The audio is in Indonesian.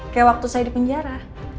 kayak waktu saya di penjara